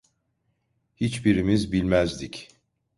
Hiçbirimiz bilmezdik.